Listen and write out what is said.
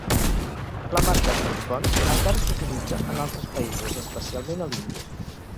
La marca Brooke Bond encara s"utilitza en altres països, especialment a l"Índia.